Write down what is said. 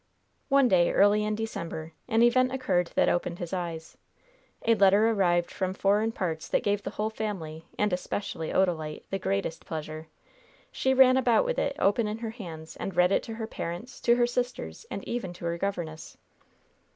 One day early in December an event occurred that opened his eyes. A letter arrived from foreign parts that gave the whole family, and especially Odalite, the greatest pleasure. She ran about with it open in her hands, and read it to her parents, to her sisters, and even to her governess.